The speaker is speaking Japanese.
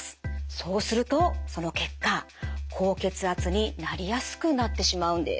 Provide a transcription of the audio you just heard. そうするとその結果高血圧になりやすくなってしまうんです。